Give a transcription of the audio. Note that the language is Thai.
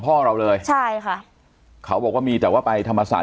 พ่อเราเลยใช่ค่ะเขาบอกว่ามีแต่ว่าไปธรรมศาส